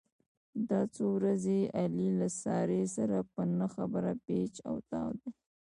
دا څو ورځې علي له سارې سره په نه خبره پېچ او تاو دی.